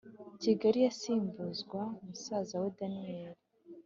Kigali yasimbuzwa musaza we daniel